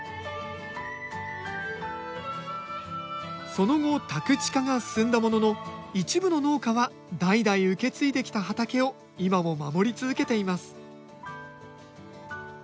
その後宅地化が進んだものの一部の農家は代々受け継いできた畑を今も守り続けています